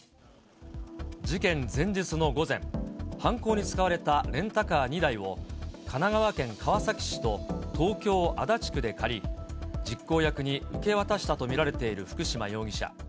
事件前日の午前、犯行に使われたレンタカー２台を、神奈川県川崎市と東京・足立区で借り、実行役に受け渡したと見られている福島容疑者。